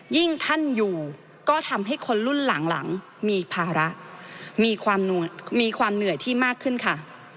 ยิ่งท่านอยู่ก็ทำให้คนรุ่นหลังมีภาระมีความเหนื่อยที่มากขึ้นค่ะ